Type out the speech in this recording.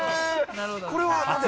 これはなぜ？